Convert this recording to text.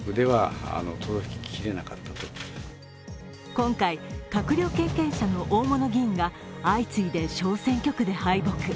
今回、閣僚経験者の大物議員が相次いで小選挙区で敗北。